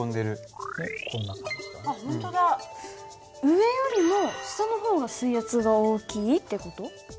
上よりも下の方が水圧が大きいって事？